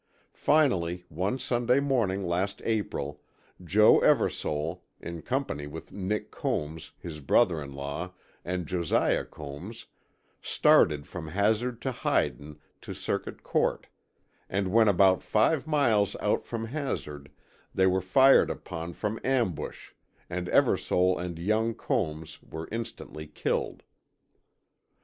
Finally, one Sunday morning last April, Joe Eversole, in company with Nick Combs, his brother in law, and Josiah Combs, started from Hazard to Hyden to circuit court, and when about five miles out from Hazard they were fired upon from ambush and Eversole and young Combs were instantly killed.